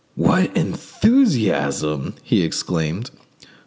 "What enthusiasm!" he exclaimed.